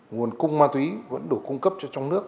nguồn cung ma túy vẫn đủ cung cấp cho trong nước